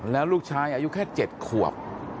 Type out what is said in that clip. แล้วลูกชายอายุแค่๗ขวบ